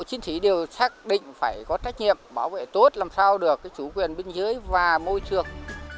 chiến sĩ đều xác định phải có trách nhiệm bảo vệ tốt làm sao được chủ quyền biên giới và môi trường